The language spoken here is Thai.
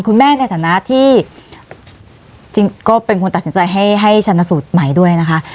คุณแม่ในฐานะที่ก็เป็นคุณตัดสินใจให้ชนะสูตรใหม่ด้วยนะคะ